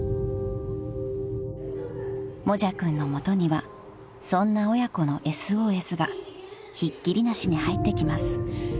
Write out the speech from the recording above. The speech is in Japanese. ［もじゃくんの元にはそんな親子のＳＯＳがひっきりなしに入ってきます］